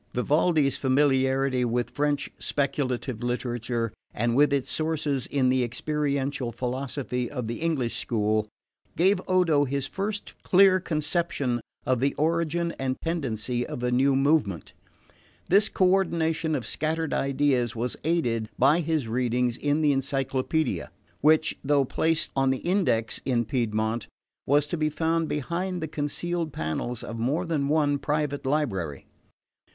Vivaldi's familiarity with French speculative literature, and with its sources in the experiential philosophy of the English school, gave Odo his first clear conception of the origin and tendency of the new movement. This coordination of scattered ideas was aided by his readings in the Encyclopaedia, which, though placed on the Index in Piedmont, was to be found behind the concealed panels of more than one private library.